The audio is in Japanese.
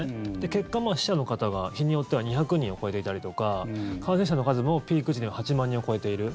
結果、死者の方が日によっては２００人を超えていたりとか感染者の数もピーク時には８万人を超えている。